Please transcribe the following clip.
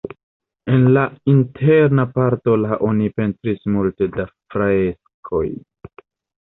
En la interna parto la oni pentris multe da freskoj.